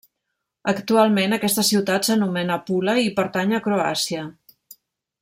Actualment aquesta ciutat s'anomena Pula i pertany a Croàcia.